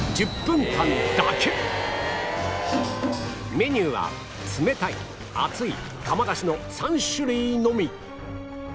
メニューはつめたいあつい窯出しの３種類のみ